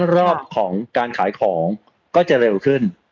รอบของการขายของก็จะเร็วขึ้น